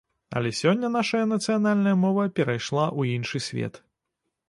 Але сёння наша нацыянальная мова перайшла ў іншы свет.